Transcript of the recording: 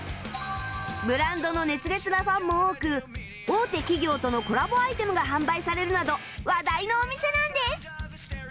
ブランドの熱烈なファンも多く大手企業とのコラボアイテムが販売されるなど話題のお店なんです